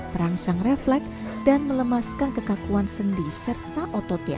perangsang refleks dan melemaskan kekakuan sendi serta ototnya